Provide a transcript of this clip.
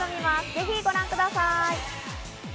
ぜひご覧ください。